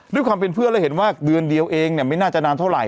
ด้วยความเป็นเพื่อนแล้วเห็นว่าเดือนเดียวเองไม่น่าจะนานเท่าไห